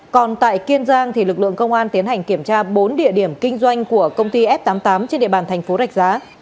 còn tại kiên giang lực lượng công an tiến hành kiểm tra bốn địa điểm kinh doanh của công ty f tám mươi tám trên địa bàn thành phố rạch giá